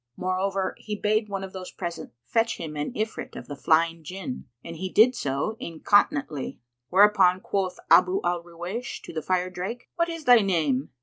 Moreover, he bade one of those present fetch him an Ifrit of the Flying Jinn; and he did so incontinently; whereupon quoth Abu al Ruwaysh to the fire drake, "What is thy name!"